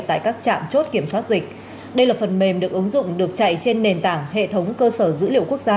tại các trạm chốt kiểm soát dịch đây là phần mềm được ứng dụng được chạy trên nền tảng hệ thống cơ sở dữ liệu quốc gia